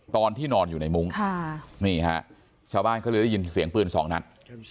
ตอนที่นอนอยู่ในมุ้งนี่ฮะชาวบ้านเขาเลยได้ยินเสียงปืนสองนัด